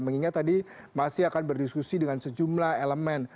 mengingat tadi masih akan berdiskusi dengan sejumlah elemen